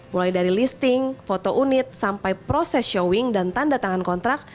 mulai dari listing foto unit sampai proses showing dan tanda tangan kontrak